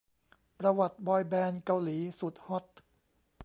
ประวัติบอยแบนด์เกาหลีสุดฮอต